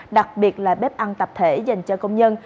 đặc biệt là bếp ăn tập thể dành cho công nhân